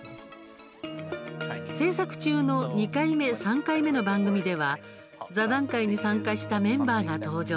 制作中の２回目３回目の番組では座談会に参加したメンバーが登場。